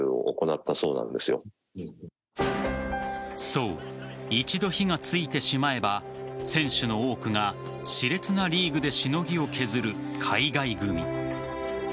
そう、一度火がついてしまえば選手の多くが熾烈なリーグでしのぎを削る海外組。